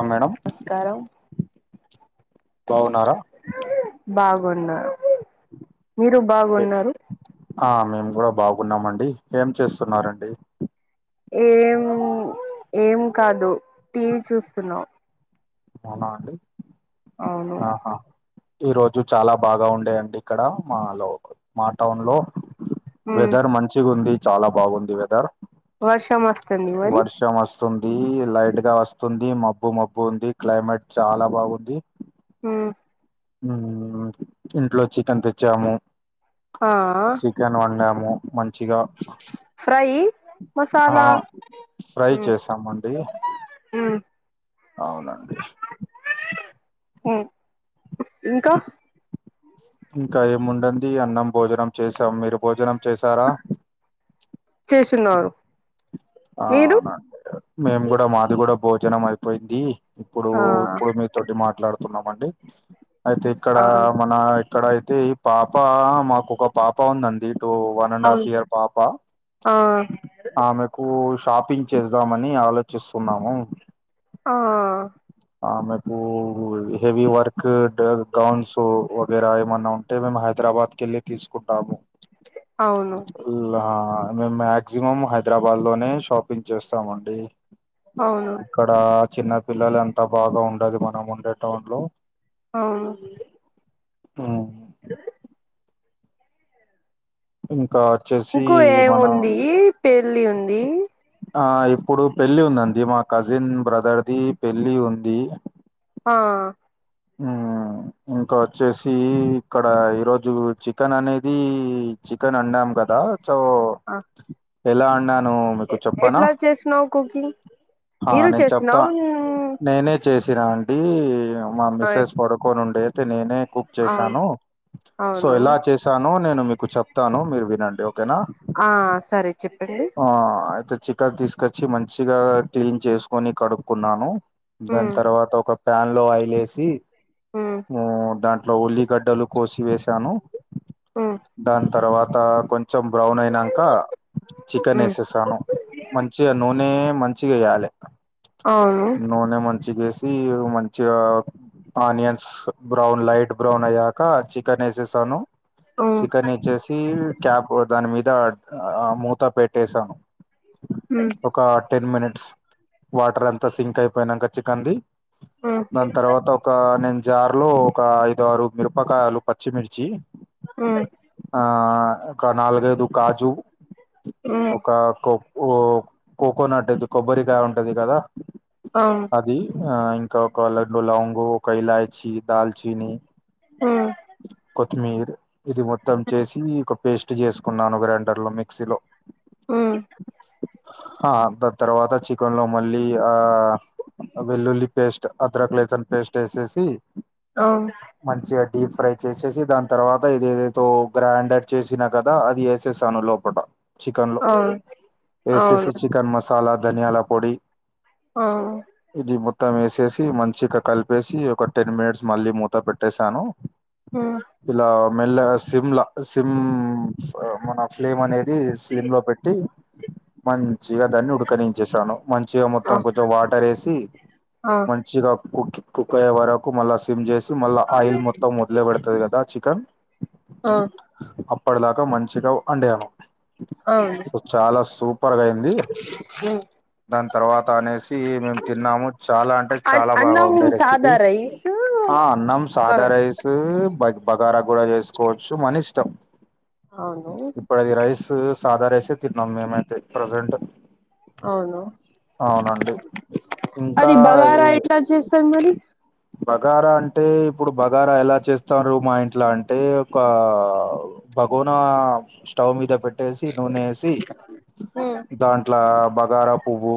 అ madam బాగున్నారా బాగున్నా మీరు బాగున్నారు ఆ మేము కూడా బాగున్నామండి ఏం చేస్తునరండి ఏం ఏం కాదు టీవీ చూస్తున్నాం అవునా అండి అవును ఆహా ఈ రోజు చాలా బాగా ఉండేయండి ఇక్కడ మా లో మా టౌన్ లో మ్ వెదర్ మంచిగుంది చాలా బాగుంది వెదర్ వర్షం వస్తుంది మరి వర్షం వస్ వస్తుంది లైట్ గా వస్తుంది మబ్బు మబ్బు ఉంది క్లైమేట్ చాలా బాగుంది ఉ ఇంట్లో చికెన్ తెచ్చాము ఆ చికెన్ వండాము మంచిగా ఫ్రై ఆ మసాలా ఫ్రై చేసామండి ఆ అవునండి ఇంకా ఇంకా ఎం ఉండంది అన్నం భోజనం చేసాం మీరు భోజనం చేసారా చేస్తున్నారు మీరు ఆవునండి మేము కూడా మాది కూడా భోజనం అయిపోయింది ఇప్పుడు ఆ ఇప్పుడు మీ తోటి మాట్లాడుతున్నామండి అయితే ఇక్కడ ఆ మన ఇక్కడ అయితే ఈ పాప మాకు ఒక పాప ఉందండి ఇటు వన్ అండ్ హఫ్ అవును ఇయర్ పాపా ఆ ఆమె కు షాపింగ్ చేద్దామని ఆలోచిస్తున్నాము ఆ ఆమెకు హెవీ వర్క్ గౌన్స్ వగైరా ఏమన్నా ఉన్ అంటే మేము హైదరాబాద్ కు వెళ్ళి తీసుకుంటాము అవును ఆ మేము మాక్సిమం హైదరాబాద్ లోనే షాపింగ్ చేస్తామండి అవును ఇక్కడ చిన్న పిల్లలు ఎంత బాగా ఉండదు మనం ఉండే టౌన్ లో ఆ ఆ ఆ ఇంకా వచ్చేస్ ఇంకో ఏముంది పెళ్ళి ఉంది ఆ ఇప్పుడు పెళ్లి ఉందండి మా కజిన్ బ్రదర్ది పెళ్ళి ఉంది ఆ ఇంకా వచ్చేసి ఇక్కడ ఈరోజు చికెన్ అనేది చికెన్ అండాం కదా సో ఎలా అండాను మీకు చెప్పనా ఎట్లా చేసినావు కుకింగ్ మీరు నేను చెప్తా చేసినావు నేనే చేసిన అండి మా అ మిస్సెస్ పడుకోనిండి అయితే నేనే కుక్ చేశాను సో అవును ఎలా చేశాను నేను మీకు చెప్తాను మీరు వినండి ఓకేనా ఆ సరే చెప్పండి ఆ అయితే చికెన్ తీసుకొచ్చి మంచిగా క్లీన్ చేసుకొని కడుక్కున్నాను దాని ఉమ్ తర్వాత ఒక ప్యాన్ లో ఆయిలే వేసి ఉమ్ ఉ దాంట్లో ఉల్లిగడ్డలు కోసివేసాను ఉమ్ దాని తర్వాత కొంచెం బ్రౌన్ అయినాక చికెన్ ఉమ్ వేసేసాను మంచిగా నూనె మంచిగా వేయాలి ఆవును నూనె మంచిగేసి మంచిగా ఆనియన్స్ బ్రౌన్ లైట్ బ్రౌన్ అయ్యాక చికెన్ వేసేసాను ఉమ్ చికెన్ వచ్చేసి క్యాబ్ దాని మీద మూతా పెట్టేసాను ఉ ఒక టెన్ మినిట్స్ వాటర్ అంతా సింక్ అయిపోయినాక చికెన్ ది ఉమ్ దాని తర్వాత ఒక నేను జార్ లో ఒక ఐదు ఆరు మిరపకాయలు పచ్చిమిర్చి ఉ ఆ ఒక నాలుగైదు కాజు ఉమ్ ఒక కో ఓ కోకోనట్ ఇది కొబ్బరికాయ ఉంటది కదా అవును ఇది ఆ ఇంకా ఒక లడ్డు లవంగు ఒక ఇలాచి దాల్చీని ఆ కొత్తిమీర ఇది మొత్తం చేసి పేస్ట్ చేసుకున్నాను గ్రైండర్లో మిక్సీలో ఉ ఆ త తర్వాత చికెన్ లో మళ్ళీ ఆ అ వేల్లుల్లి పేస్ట్ అద్రక లేసన్ పేస్ట్ వేసేసి అవునా మంచిగా డీప్ ఫ్రై చేసేసి దాని తర్వాత ఇది ఏదేదో గ్రైండడ్ చేసినా కదా అది వేసేస్తాను లోప లోపట చికెన్ లో అవును అవును వేసేసి అవును చికెన్ మసాలా ధనియాల పొడి ఆ ఇది మొత్తం వేసేసి మంచిగా కలిపేసి ఒక టెన్ మినిట్స్ మళ్ళీ మూత పెట్టేసాను ఉమ్ ఇలా మెలగా సిమ్లా సిమ్ మన ఫ్లేమ్ అనే ది సిమ్ లో పెట్టి మంచిగా దాన్ని ఉడకనించేసాను మంచిగా ఆ మొత్తం కొంచెం వాటర్ వేసి ఆ మంచి మచ్చగా కుక్ కుక్ అయ్యే వరకు మళ్ళీ సిమ్ చేసి మళ్ళ ఆయిల్ మొత్తం వదిలి పెడుతుది కదా చికెన్ ఆ అప్పటి దాకా మంచిగా వండాను అవును సో చాలా సూపర్గా అయింది ఉమ్ దాని తర్వాత అనేసి మేము తిన్నాము చాలా అంటే అన్ చాలా బాగా అన్నం ఉండే రేసి పి సాదా రైస్ ఆ అన్నం బ సాధార సు బైట్ బగారా కూడా చేసుకోవచ్చు మన ఇష్టం అవున ఇప్పుడు అది రైస్ సాదా రైసే తిన్నాం మేమైతే ప్రజెంట్ అవును అవునండి ఇంకా ఏ ఎలా చేస్తాం మరి బగారా అంటే ఇప్పుడు బగారా ఎలా చేస్తారు మా ఇంట్లో అంటే ఒక భగోనా స్టవ్ మీద పెట్ కట్టేసి నూనె ఏసి ఉమ్ దాంట్లో బగారా పువ్వు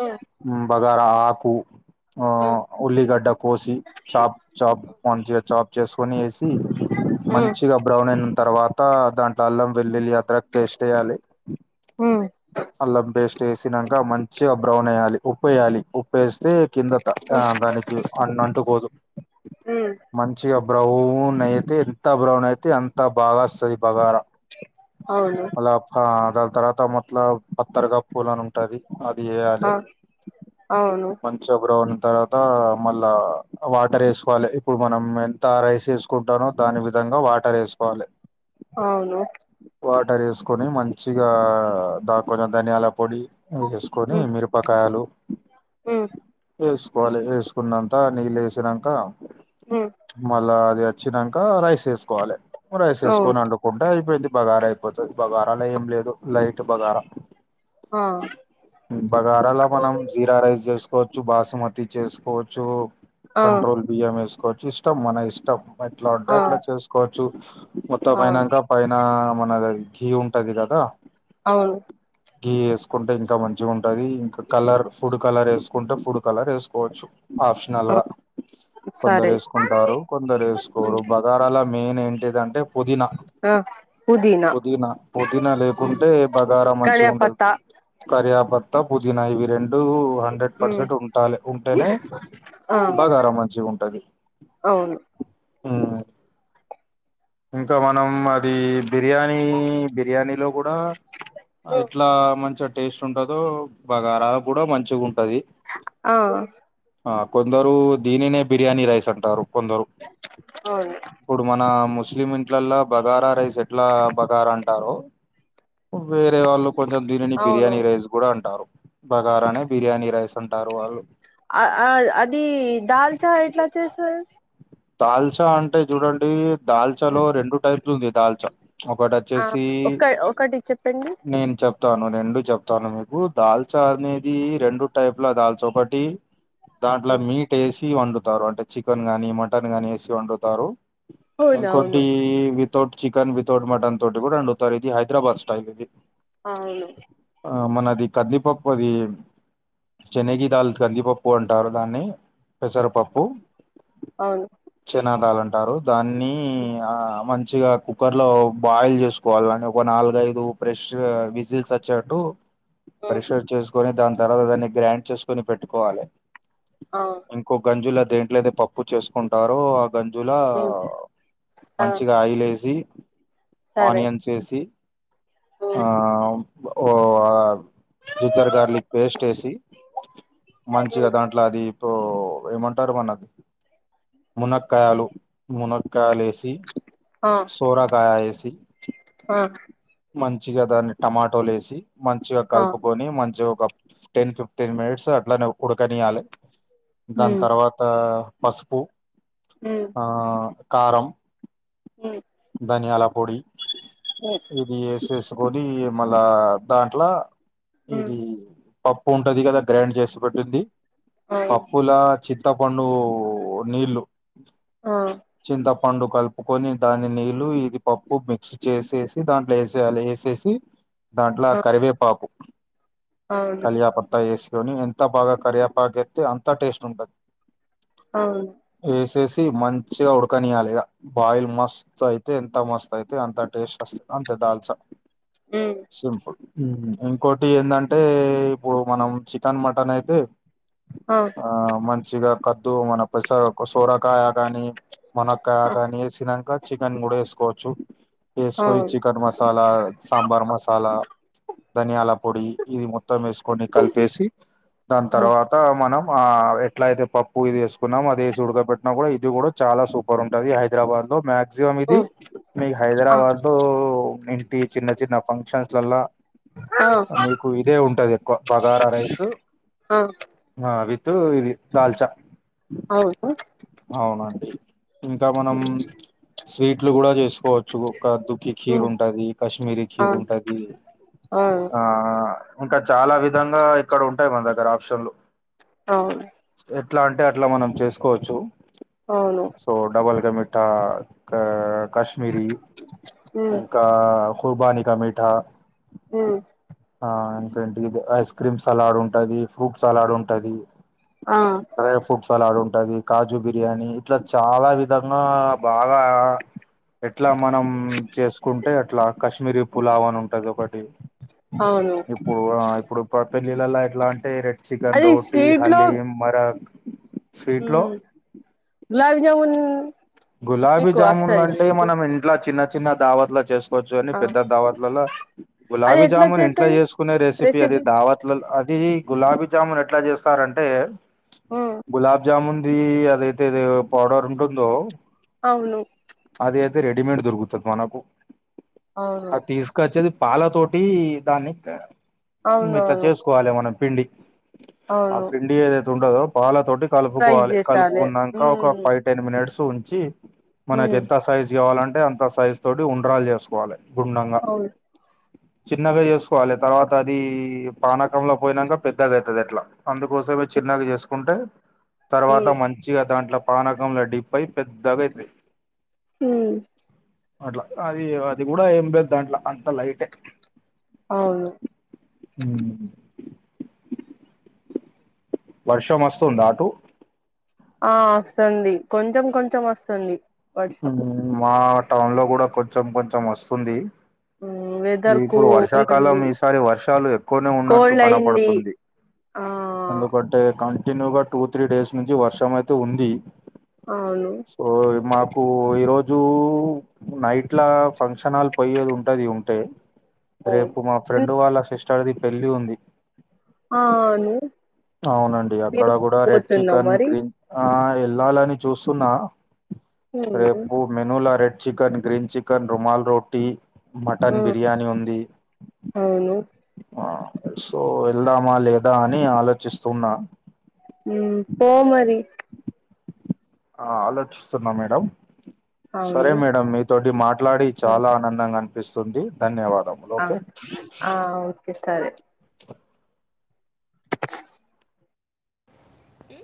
ఆ బగార ఆకు ఆ ఉమ్ ఉల్లిగడ్డ కోసి చాప్ చాప్ మంచిగా చాప్ చేసుకొని వేసి ఉమ్ మంచిగా బ్రౌన్ అయిన తర్వాత త్త దాంట్లో అల్లం వెల్లిల్లి అదకు పేస్ట్ వెయ్యాలి ఉమ్ అల్లం పేస్ట్ వేసినాక మంచిగా బ్రౌన్ ఎయ్యాలి ఉప్పు వేయాలి ఉప్పు వేస్తే కిందట ఆ దానికి అన్న అంటుకోదు ఉమ్ మంచిగా బ్రౌన్ నైతే ఎంత బ్రౌన్ అయితే అంత బాగా వస్తుది బగారా అవును మళ ఆ దాని తర్వాత మతలబ్ అత్తరగా పూలను టది అది వయాలి ఆ అవును మంచిగ బ్రౌన్ తర్వాత ఆ మళ్ళా వాటర్ వేసుకోవాలి ఇప్పుడు మనం ఎంత రైస్ వేసుకుంటానో దాని విధంగా వాటర్ వేసుకోవాలి అవును వాటర్ వేసుకొని మంచిగా దాకుని ధనియాల పొడి వేసేసుకొ కొని ఉమ్ మిరపకాయలు ఉమ్ ఏస్ కోవాలి వేసుకున్నంత నీళ్ళ వేసినాక ఉ మళ్ళా అది వచ్చినాక రైస్ వేసుకోవాలి రైస్ అవును వేసుకొని అండు కుండా అయిపోయింది బగారా అయిపోతది బగారాలో ఏం లేదు లైట్ బగారా ఆ బగారాలో మనం జీరా రైస్ చేసుకోవచ్చు బాస్మతి చేసుకోవచ్చు ఆ కంట్రోల్ బియ్యం వేసుకోవచ్చు ఇష్టం మన ఇష్టం ఎట్లా ఉంటే ఆ అట్లా చేసుకోవచ్చు మొత్తం అవును ఐనాకా పైన మనది అది గీ ఉంటది కదా అవును గి వేసుకుంటే ఇంకా మంచిగా ఉంటది ఇంకా కలర్ ఫుడ్ కలర్ వేసుకుంటే ఫుడ్ కలర్ వేసుకు కోవచ్చు ఆప్షనల్ గా సరే కొందరేసు కుంటారు కొందరు వేసుకోరు బగారాల మెయిన్ ఏంటిదంటే పుదీనా ఆ పుదీనా పుదీనా లేకుంటే బగారా మంచిగా ఉండదు కరియాపత్తా కరియాభత్త పుదీనా ఇవి రెండు హండ్రెడ్ ఉమ్ పర్సెంట్ ఉంటాలి ఉంటేనే ఆ బగార మంచిగ ఉంటది అవును ఊ ఇంకా మనం అది బిర్యానీ బిర్యానీలో కూడా ఎట్లా మంచిగా టేస్ట్ ఉంటదో బగారా కూడా మంచిగా ఉంటది ఆ ఆ కొందరు దీనినే బిర్యానీ రైస్ అంటారు కొందరు అవును ఇప్పుడు మన ముస్లిం ఇంట్ల బగారా రైస్ ఎట్లా బగారా అంటారో వేరే వాళ్ళు కొంచెం దీనిని అవును బిర్యానీ రైస్ కూడా అంటారు బగారానే బిర్యానీ రైస్ అంటారు వాళ్ళు అ ఆ అది దాల్చా ఎట్లా చేస్తారు దాల్చా అంటే చూడండి దాల్చాలో రెండు టైప్స్ ఉంది దాల్చా ఒకటి ఆ వచ్చేసి ఒక ఒకటి చెప్పండి నేను చెప్ తాను రెండు చెప్తాను మీకు దాల్చా అనేది రెండు టైప్ల దాల్చా ఒకటి దాంట్లో మీట్ ఏసి వండుతారు అంటే చికెన్ గానీ మటన్ గానీ వేసి వండుతారు అవునవును ఇంకోటి వి వితౌట్ చికన్ వితౌట్ మటన్ తోటి కూడా వండుతారు ఇది హైదరాబాద్ స్టైల్ ఇది అవును ఆ మనది కద్దిపప్పు అది చెనగి దాల్ కందిపప్పు అంటారు దాన్ని పెసరపప్పు అవును చినాదాలు అంటారు దాన్ని ఆ మంచిగా కు కుక్కర్ లో బాయిల్ చేసుకోవాలి అని ఒక నాలుగైదు ప్రెష్ విజిల్స్ వచ్చేట్టు ఉమ్ పరిశోధ్ చేసుకొని దాని తర్వాత దాన్ని గ్రాండ్ చేసుకొని పెట్టుకోవాలి ఆ ఇంకో గంజుల్లో దేంట్లోదే పప్పు చేసుకుంటారు గంజుల ఉమ్ ఆ మంచిగా ఆయిలేసి సరే ఆనియన్స్ వేసి ఆ ఓ ఆ జింజర్ గార్లిక్ పేస్ట్ వేసి మంచిగా దాంట్లో అది తో ఏమంటారు మనది మునక్కాయలు మునక్కాయలు వేసి ఆ సోరకాయ ఏసి ఆ మంచిగా దాన్ని టమాటోలు ఏసి మంచిగా ఆ కలుపుకొని మంచిగా ఒక టెన్ ఫిఫ్టీన్ మినిట్స్ అట్లనే ఉడకనియాలి దాని ఉమ్ తర్వాత పసుపు ఉమ్ ఆ కారం ఉ ధనియాల పొడి ఉమ్ ఇది ఏసేసి తోని మళ్ళా దాంట్లో ఉమ్ ఇది పప్పు ఉంటది కదా గ్రైండ్ చేసి పెట్టింది అవును పప్పులా చింతపండు ఓ నీళ్లు ఆ చింతపండు కలుపుకొని దాని నీళ్ళు ఇది పప్పు మిచ్ చేసేసి దాంట్లో వేసేయాల వేసేసి దాంట్లో ఆ కరివేపాకు అవును అంతా వేసుకొని ఎంత బాగా కరిపాకు ఎత్తే అంత టేస్ట్ ఉంటది ఆ వేసేసి మంచిగా ఉడకనియాలి ఇక బాయిల్ మస్ అయితే ఎంత మస్తు అయితే అంత టేస్ట్ వస్తది అంతే దాల్చా ఉ సింపుల్ ఇంకోటి ఏంటంటే ఇప్పుడు మనం చికెన్ మటన్ అయితే అ ఆ మంచిగా కద్దు మన పెసర్ సొరకాయ గాని మునక్కాయ ఆ కానీ వేసినాక చికెన్ కూడా వేసుకోవచ్చు ఏసుకొని అవును చికన్ మసాలా, సాంబార్ మసాలా, ధనియాల పొడి ఇది మొ మత్తం వేసుకొని కలిపేసి దాని ఆ తర్వాత మనం ఆ ఎట్లా అయితే పప్పు ఇది వేసు కున్నాం అదిదేసి ఉడకబ పెట్టినా కూడా ఇది కూడా చాలా సూపర్ ఉంటుది హైదరాబాద్ లో మ్యాక్ మక్సిమం ఇది ఉమ్ మీ ఆ హైదరాబాద్ లో ఇంటి చిన్న చిన్న ఫంక్షన్స్లల్లా ఆ మీకు ఇదే ఉంటది ఎక్కువ బగారా రైస్ ఆ ఆ విత్ ఇది దాల్చా అవును అవునండి ఇంకా మనం స్వీట్లు కూడా చేసుకోవచ్చు ఓక దుక్కి ఖీర్ ఉమ్ ఉంటది కశ్మీరీ ఖీర్ అవును ఉంటది అవును ఆ ఇంకా చాలా విధంగా ఇక్కడ ఉంటాయి మన దగ్గర ఆప్షన్లు అవును ఎట్లా అంటే అట్లా మనం చేసుకోవచ్చు అవును ఓ డబల్ క మిఠా క కశ్మీరి ఉమ్ ఇంకా కుర్బనీ కా మీఠా మ్ ఆ ఇంకా ఇంటికి ఐస్ క్రీమ్ సలాడ్ ఉంటది ఫ్రూట్ సలాడ్ ఉంటది ఆ డ్రై ఫ్రూట్ సలాడ్ ఉంటుంది కాజు బిర్యానీ ఇట్లా చాలా విధంగా బాగా ఎట్లా మనం చేసుకుంటే అట్లా కశ్మీరీ పులావని ఉంటది ఒకటి అవును ఇప్పుడు ఇప్పుడు పెళ్ళిళ్ళలో ఎట్లా అంటే రెడ్ చికెన్ అది రోటీ స్వీట్ లో హలీ మరక్ స్వీట్ ఉమ్ గులాబ్ జామున్ గులాబీ మీకు జామున్ వస్తది అంటే మీకు మనం ఇంట్ల చిన్న చిన్న దావట్లో చేస్ చ్చు అని ఆ పెద్ద దావత్లలో అది గులాబీ ఎట్లా జామున్ ఇంట్లో చేసేది చేసుకునే రెసిపీ అది దావత్ అది గులాబీ జామున్ ఎట్లా చేస్తారంటే [inaudible] గులాబ్జామున్ది అదైతే ఇది పౌడర్ ఉంటుందో అవును అది అయితే రెడీమేడ్ దొరుకుతది మనకు అవును అది తీసు వచ్చేది పాల తోటి దాన్ని ఇట్లా అవునవును చేసుకోవాలి మనం పిండి ఆ అవును పిండి ఏదైతే ఉండదో పాలతోటి ఫ్రై కలుపుకోవాలి చేసాలి కలుపుకున్నాక ఒక మ్మ్ పై టెన్ మినిట్స్ ఉంచి మనకి మ్మ్ ఎంత సైజు కావాలంటే అంత సైజ్ తోటి ఉండ్రాలు చేసుకోవాలి గుండంగా చిన్నగా చేసుకోవాలి తర్వాత అది పానకంలో పోనాక పెద్దగా అవుతుది ఎట్లా అందుకోసమే చిన్నగా చేసుకుంటే తర్వాత మంచిగా దాంట్లో పానకంల డిప్పై పెద్దగా అవుతయి మ్ అట్లా అది అది కూడా ఏం లేదు దాంట్లో అంత లైటే అవును హ వర్షం వస్తుంద అటు ఆ వస్తుంది కొంచెం కొంచెం వస్తుంది వర్షం మా టౌన్ లో కూడా కొంచెం కొంచెం వస్తుంది మ్మ్ వెదర్ ఇప్పుడు కూల్ ఉంది వర్షాకాలం ఈసారి వర్షాలు ఎక్కువనే ఉన్నట్టు కోల్డ్ అయింది కనపడుతుంది ఆ ఎందుకంటే కంటిన్యూగా టూ త్రీ డేస్ నుంచి వర్షం అయితే ఉంది అవును సో మా కు ఈరోజు నైట్ల ఫంక్షన హాల్ పోయేది ఉంటది ఉంటే అవును రేపు మా ఫ్రెండ్ వాళ్ళ సిస్టర్ది పెళ్లి ఉంది ఆను అవునండి అక్కడ కూడా రెడ్ చికెన్ మరి గ్రీన్ ఆ వెళ్ళాలని చూస్తున్నా మ్మ్ రేపు మెనూలా red chicken green chicken rumal roti mutton మ్మ్ బిర్యానీ ఉంది అవును ఆ సో వెళ్దామా లేదా అని ఆలోచిస్తున్నా ఉ పో మరి ఆ ఆలోచిస్తున్నా మేడం సరే అవును మేడం మీ తోటి మాట్లాడి సరే చాలా ఆనందంగా అనిపిస్తుంది ధన్యవాదం అ ఆ ఓకే సరే ఉ